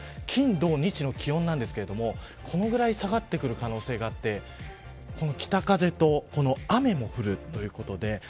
金土日の気温なんですけどこのぐらい下がってくる可能性があって北風と雨も降るということで。